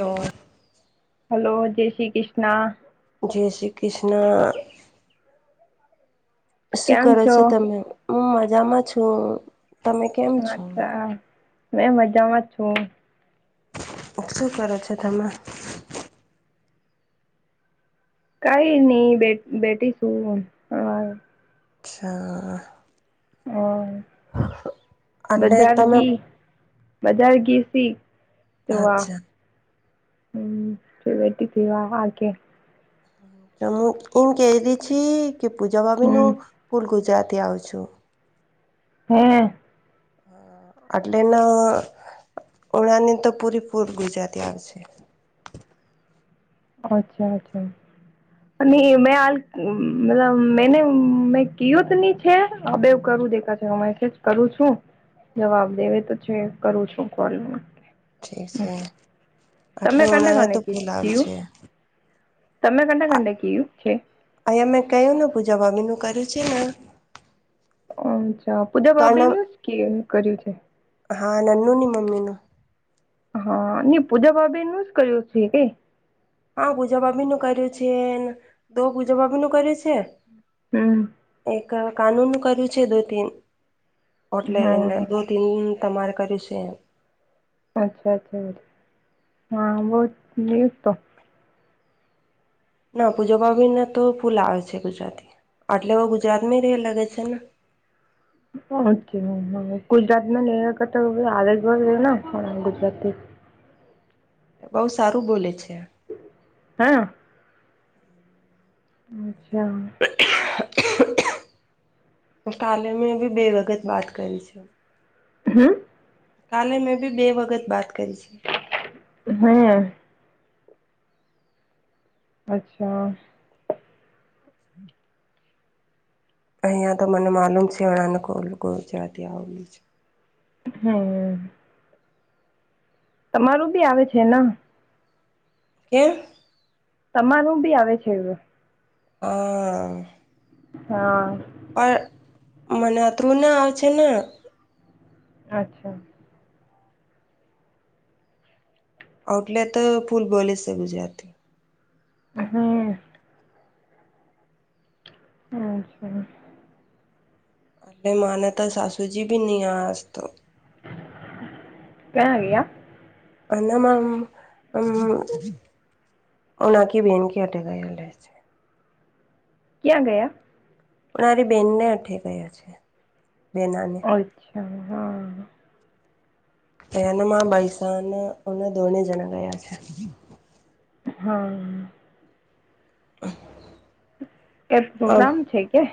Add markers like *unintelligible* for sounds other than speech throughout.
Hello. Hello જય શ્રી કૃષ્ણ જે શ્રી ક્રિષ્ના શું કરો છો તમે? હું મજામાં છું. તમે કેમ છો? અચ્છા મેં મજામાં છું. શું કરો છો તમે? કઈ નહી બે બેઠી છું હા અચ્છા! હ એટલે બજાર તમે ગી બજાર ગીસી અચ્છા! હમ્મ બેઠી *unintelligible* એમકે રી છી પૂજા ભભી નુ હમ ફુલ ગુજરાત અ આવ છુ. હમ હા, અટલે ના ઉણાની, તો પૂરેપૂર ગુજરાતી આવશે અચ્છા, અચ્છા અને મેં હાલ મતલબ મેને મેં કયુંત ની છે, આ બેવ કર શું દેખા મેસેજ કરું છુ, જવાબ દેવે તો છે, કરુ છુ કોલ ઠીક છે. એટલે તમે કને હણા હ કને તો કીધી કેલાવ કયું છે. તમે કંટા કંટા કયું છે અયામે કયો ન પૂછ જવા બીનુ, કરે છેને. અચ્છા પુજા બાબેનું કે કર્યું છે. હા, નનું ની મમ્મીનુ હા, પૂજા બાબેનુ જ કર્યું છે, કઈ હા, પૂજાબભીનુ કર્યું છેને, દો પૂજા ભભી નું કર્યુ છે. હમ્મ એક કાનૂન કર્યુ છે, દો તન એટલે એને હા દોન તમારે કર છે, એમ અચ્છા, અચ્છા બ હા બહ તો ના પૂજો પર્વીવી ના તો ફૂલા આવે છે, ગુજરાતી આટલે હ ગુજરાતમાં રે લગે છેને. ગુજરાત, મે લ તો આ એક વાર ગુજરાતથી. *inaudible* બઉુ સારું બોલે છે. હા અચ્છા *unintelligible* ટાલે મે બી બે વખત વાત કરી છે. હમ્મ કાલે મેં ભી બે વગત બાત. હમ. અચ્છા. અહિયાંયા તો મને માલુમ છે અણાચવાતી આવું છે. હમ. તમારું બી આવે છે ના. કે્યા. તમારું બી આવે છે એવું. હા હા પ મને ત્રુંના આવ છે. અચ્છા આઉટલે તો ફૂલ બોલે છે, ગજથી હમ્મ અચ્છા અલે માને તો સાસુજી, બી ન આસતો કણ ગયા અમમ હમ્મ ઓનાકી, બેન ક હટે ગાયલ રહેશે ક્યાં ગયા પણ મારી બેનને અઠે ગયા છે. બેનાને અચ્છા, હા એનમાં બૈસાાન ધોણે જણા ગયા છે. હા. *inaudible* કઈ પ્રોગ્રામ છે કે.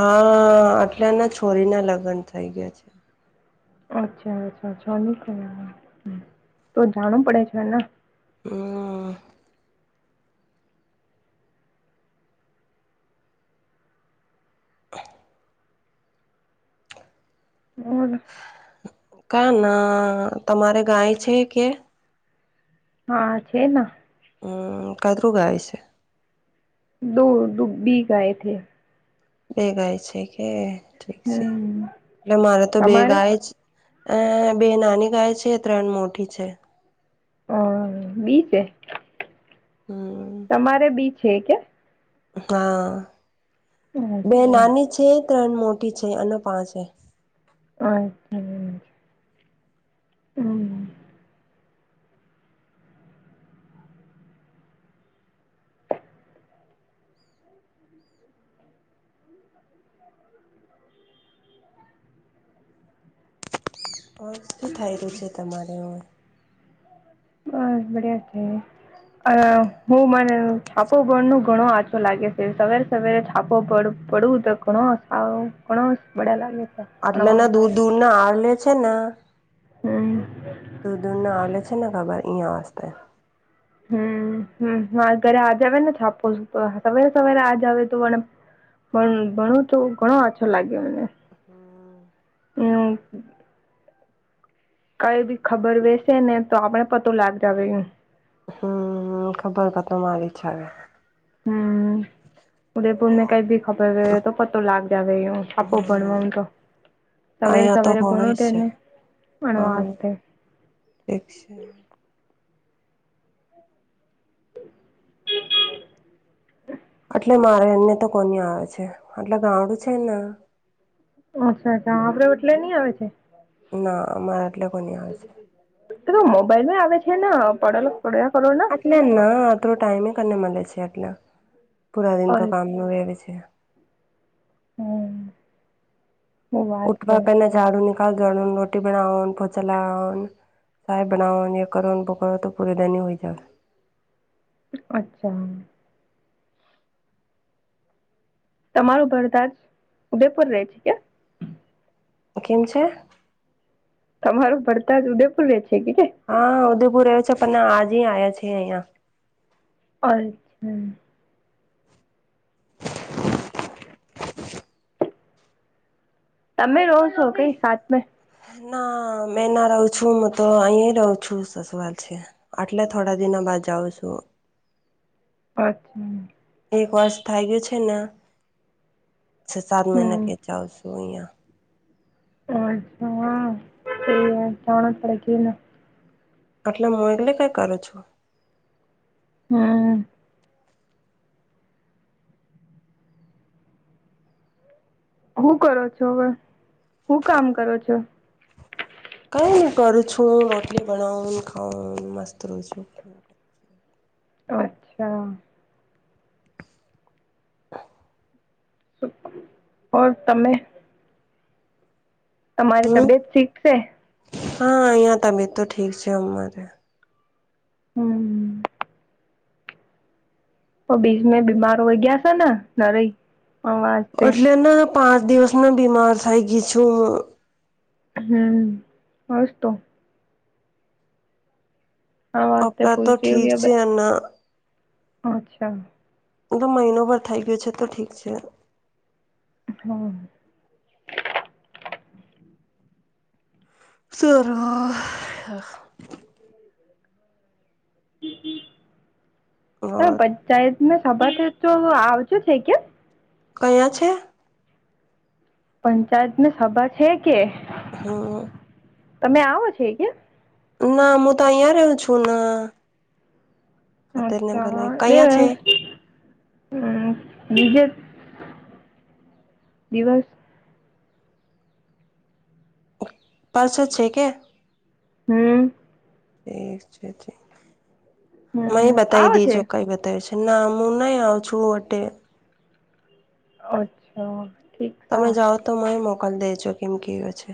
હા આટલાના છોરીના લગ્ન થઈ ગયા છે. અચ્છા અચ્છાછા *unintelligible* તો જાણું પડે છેને. હમ. ઓર. ક ના તમારે ગાય છે કે. હા છે ને. કત રો ગાય સે. દો ડુબી ગાએ થે. બે ગાય છે કે ઠીક છે હમ એટલે મારે તો બે તમારે ગાય જ. અ બે નાની ગાય છે ત્રણ મોઠી છે. હ બીજે. હમ તમારે બી છે કે. હા અચ્છા બે અચ્છા અચ્છા. નાની છે. ત્રણ મોટી છે અને પાંચ હે. *unintelligible* *inaudible* શું થાય રહ્યું છે. તમારે ઓર હ બળિયા છે. અ હું મારેરૂ છાપો પડનો ઘણો આચો લાગે છે. સવારે સવારે છાપો પડ પડવું તો ઘણો આવ ઘણો બડ્યા લાગે. છે આટલે ભણવા ના દૂર દૂર ના આવલે છે ને. હમ દૂર દૂરના આવલે છે. હવાર ની આસપાસ હમ. હ હા ઘરે આ જાવેને છાપો સવેરે સવેરે આ જાવે તો પણ પણ ભણો તો ઘણો આછો લાગ્યો મને. હ *unintelligible* કઈ બી ખબર વેસે ને તો આપણે પતો લાગ જાવે એ. હમ ખબર પતો મારી ઈચ્છા છે. ઉદયપુરને કઈ ભી ખબર ગએ તો પતો લાગ જાવે એવો છાપો હમ ભણવાનું તો. સવેરે અહીયા તો સવેરે હોવે ભણો છે તેને હા અણવાજતે. *unintelligible* એટલે મારે એને તો કોની આવે છે એટલે ગામડું છે ને. અચ્છા અચ્છા આપડે ઓટલે નઈ આવે છે. ના અમારા આટલે કોની આવે છે. તો મોબાઈલ આવે છે ને પડેલો પડ્યા કરો ને અટલે ના અંતરો ટાઈમ ને મળે છે. એટલે પુરા દિન તો કામનું રહે છે. હમ હું વાત છે ઉઠવા પેના ઝાડું નિકાલ જડ રોટી બનાવાનું પોછા લાગવાનું. ચાહ બનવાની ગરમ પકો તો પૂરે દન હોય જવે. અચ્છા તમારું ભરદાજ ઉદેપુર રે છે કે. કેમ છે. તમારું ભડતા જ ઉદેપુર વે છેે કે. હા ઉદયપુર રહ્યો છે પણ આજ આવ્યા છે. અહિયાં અચ્છા. તમે રહો છો કઈ સાતમે ના મેં ના રહું છું હું તો અહી રહું છું. સસવાલ છે આટલે થોડા દિનો બાદ. જાઉ શું. અચ્છા. એક વર્ષ થઈ ગયું છે ને સાત મહિના હમ કેચાવ છું અહિયાં. અચ્છા જા પડે કે ના આટલે હું એટલે કઈ કરું છું. હમ હું કરો છો હવે હું કામ કરો છો. કઈ કરું છું રોટલી બનાવું ખઉ મસ્ત રું છું. *inaudible* અચ્છા. ઓર તમે. તમારી હમ તબિયત શીખશે. હા અહિયાં તબિયત તો ઠીક છે અમારે. હમ તો બીજ મે બીમાર હોય ગયા તા ને નરે અ વાજતે. એટલે ને પાંચ દિવસમાં બીમાર થઈ ગઈ છું. હમ હસ તો. આ વાસ્તે અપરા તો પૂછતી ઠીક છે, કે અંના અચ્છા. એતો મહિનો પણ થઈ ગયો છે, તો ઠીક છે. હમ. સરા. હ પંચાયત *unintelligible* તો આવજો છે કેમ કયા છે. પંચાયતની સભા છે કે હા. તમે આવો છે, ક્યા ના હું તો અહિયા રેહુ છું ના ખાતરનગર અચ્છા કયા લેવે છે હમ બીજે દિવસ પરસો છે કે હમ ઠીક છે ઠીહી હમ મારી બતાઈ આવે છે દીજો કઈ બતાવે છે. ના હું નહી આવઉ છું વટે. અચ્છા. ઠીક તમે સા જાઓ તો મય મોકલ દેજો કેમ કે એવા છે.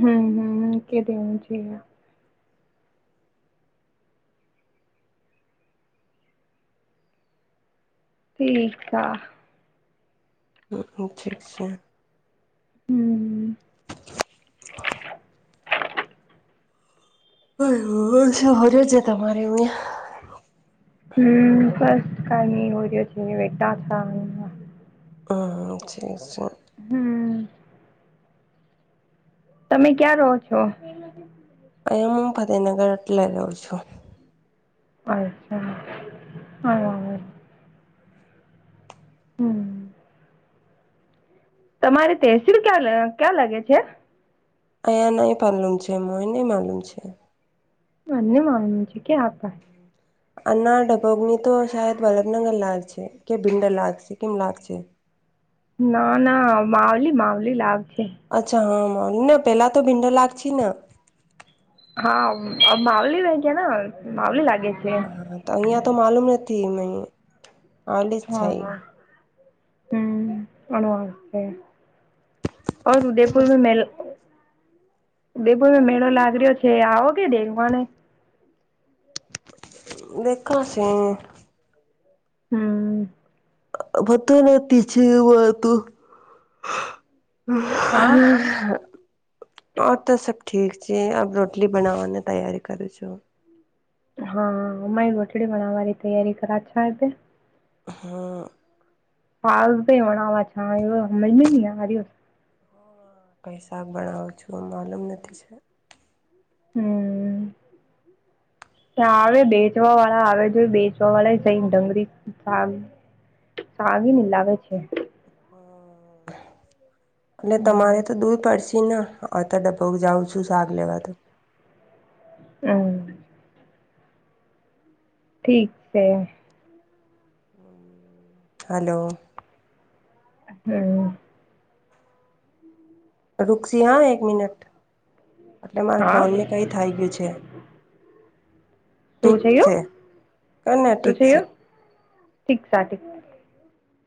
હમ હમ કે દેવું છે. ઠીક બા હ અચ્છા છે. હમ. હ શું હોર્યો છે, તમારે અવે હમ *unintelligible* છે ને *unintelligible* હમ છે. હમ. તમે ક્યાં રહો છો? અહિ અમ ફતેહનગર એટલે રેવ છું. અચ્છા હ હમ. તમારી તહેસીલ ક્યાં ક્યા લાગે છે. અહીંયા નહી પાલુમ છે, મો એ નહી માલુમ છે. મને મામ છે કે આપા આના ડભોગની તો શાયદ વલભનગર લાગ છે, કે ભીંડલ લાગશે કેમ લાગશે *inaudible* ના ના માવલી માવલી લાવ અચ્છા હા મને પેલા તો ભીંડા લાગ છી ના હા માવલી લાગે માવલી લાગે છે હા તો અહિયાં તો માલુમ નથી આવલી જ છે. હા હમ અવા ઉદયપુર મે મેલ ઉદેપુરમાં મેળો લાગી રહ્યો છે, આવો કે દેવાને દેખો શી હમ. મનતો નતી છે વાતું હા *inaudible* અ તો સબ ઠીક છે, અબ રોટલી બનાવાની તૈયારી કરું છું. હા અમારી રોટડી બનાવાની તૈયારી કરા છે. હમ્મ. ફાલ તો હોણા છા હમજમેં નહી આ રયો. સાંભળવા છું એ માલુમ નથી છે. હમ્મ ત્યા આવે બેચવા વાળા આવે જોઈ બેચવા વાળા જઈને ડંગરી સાગી ની લાવે છે. અને હમ તમારે તો દૂર પડશે ના આતો ડબ્બો જાઉં છું શાક લેવા તો. હમ્મ ઠીક છે. હલો હમ્મ રૂકજી હા એક મિનટ એટલે મારા હા ફોનને કઈ થઈ ગયું છે. શું ઠીક થયુ છે કને શું ઠીક છે છેું ઠીક સા ઠીક